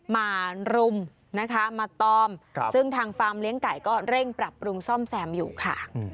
มารุมนะคะมาตอมซึ่งทางฟาร์มเลี้ยงไก่ก็เร่งปรับปรุงซ่อมแซมอยู่ค่ะ